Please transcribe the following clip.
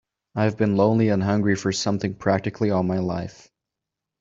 I've been lonely and hungry for something practically all my life.